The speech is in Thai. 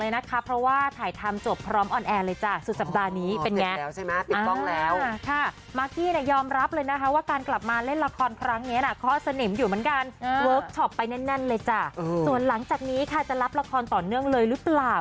ส่วนหลังจากนี้ค่ะจะรับละครต่อเนื่องเลยหรือเปล่า